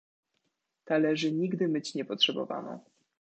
"Talerzy nigdy myć nie potrzebowano."